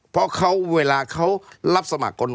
เพราะเขาเวลาเขารับสมัครคน